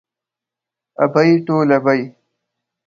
ابۍ ټوله بۍ.